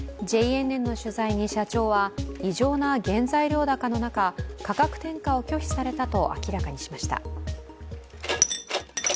ＪＮＮの取材に社長は異常な原材料高の中価格転嫁を拒否されたと明らかにしました。